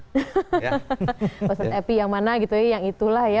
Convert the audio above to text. maksudnya epi yang mana gitu ya yang itulah ya